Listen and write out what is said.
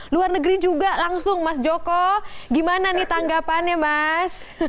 luar negeri juga langsung mas joko gimana nih tanggapannya mas